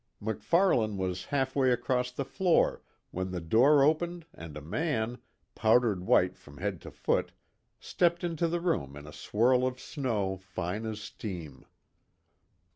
MacFarlane was half way across the floor when the door opened and a man, powdered white from head to foot, stepped into the room in a swirl of snow fine as steam.